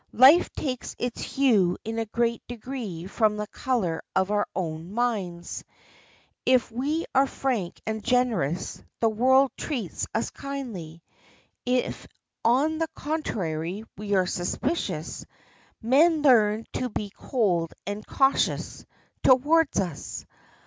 Life takes its hue in a great degree from the color of our own minds. If we are frank and generous the world treats us kindly. If, on the contrary, we are suspicious, men learn to be cold and cautious toward us.